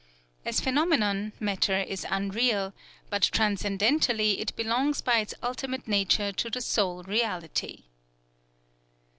As phenomenon, matter is unreal; but transcendentally it belongs by its ultimate nature to the Sole Reality.